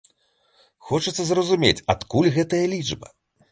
Хочацца зразумець, адкуль гэтая лічба.